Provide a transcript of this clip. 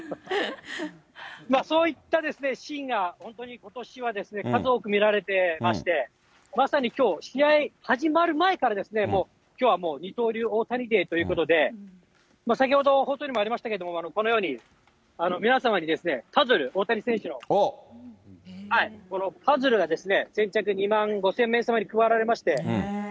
まあそういったシーンが本当にことしは数多く見られてまして、まさにきょう、試合始まる前から、もうきょうはもう、二刀流大谷デーということで、先ほどＶＴＲでもありましたけど、このように、皆様にパズル、大谷選手の、このパズルが先着２万５０００名様に配られまして。